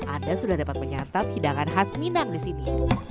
anda sudah dapat menyantap hidangan khas minang di sini